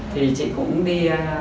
thì chị cũng đi